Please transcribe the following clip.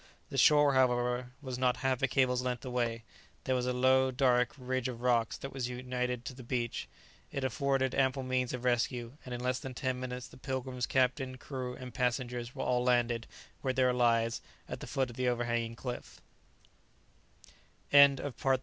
The shore, however, was not half a cable's length away; there was a low, dark ridge of rocks that was united to the beach; it afforded ample means of rescue, and in less than ten minutes the "Pilgrim's" captain, crew, and passengers were all landed, with their lives, at the foot of the overhanging cliff.